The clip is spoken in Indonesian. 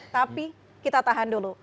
tapi kita tahan dulu